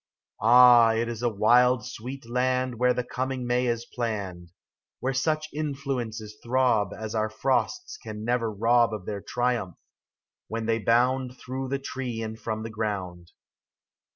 Ah, it is a wild, sweet land Where the coming May is planned, Where such influences throb As our frosts can never rob Of their triumph, when they bound Through the tree and from the ground.